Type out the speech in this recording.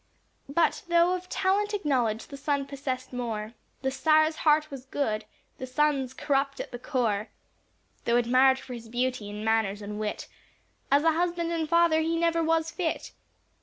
But though of talent acknowledged the son possessed more, The sire's heart was good, the son's corrupt at the core; Though admired for his beauty, and manners, and wit, As a husband and father he never was fit.